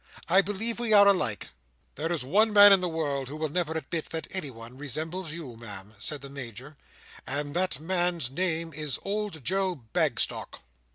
I believe we are alike." "There is one man in the world who never will admit that anyone resembles you, Ma'am," said the Major; "and that man's name is Old Joe Bagstock."